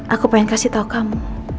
aku pengen kasih tahu kamu